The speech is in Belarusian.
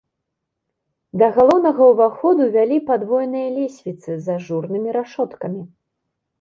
Да галоўнага ўваходу вялі падвойныя лесвіцы з ажурнымі рашоткамі.